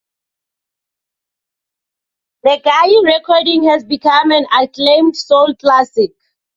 The Gaye recording has become an acclaimed soul classic.